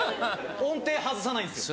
音程外さないんですよ。